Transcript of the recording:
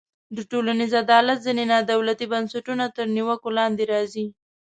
د ټولنیز عدالت ځینې نا دولتي بنسټونه تر نیوکو لاندې راځي.